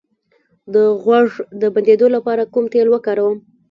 د غوږ د بندیدو لپاره کوم تېل وکاروم؟